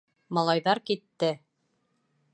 Малайҙар китте.